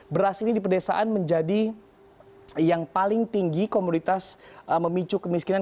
beras ini di pedesaan menjadi yang paling tinggi komoditas memicu kemiskinan